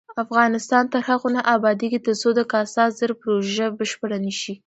افغانستان تر هغو نه ابادیږي، ترڅو د کاسا زر پروژه بشپړه نشي.